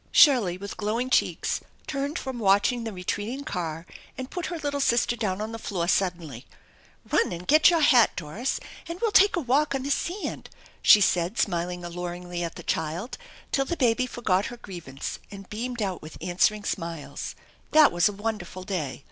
Shirley with glowing cheeks turned from watching the retreating car and put her little sister down on the floor suddenly. " Run get your hat, Doris, and we'll take a walk on the eand !" she said, smiling alluringly at the child, till the baby forgot her grievance and beamed out with answering emiles. That was a wonderful day.